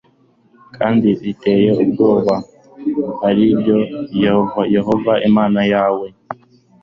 kandi riteye ubwoba,+ ari ryo yehova,+ imana yawe